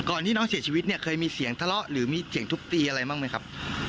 ที่น้องเสียชีวิตเนี่ยเคยมีเสียงทะเลาะหรือมีเสียงทุบตีอะไรบ้างไหมครับ